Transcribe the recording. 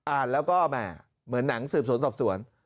อ่านแล้วก็แหม่เหมือนหนังสืบสวนสอบสวน